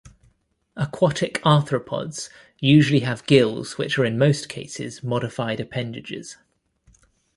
Aquatic arthropods usually have gills which are in most cases modified appendages.